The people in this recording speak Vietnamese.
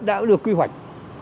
đã được quy hoạch